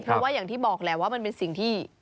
เพราะว่าอย่างที่บอกแหละว่ามันเป็นสิ่งที่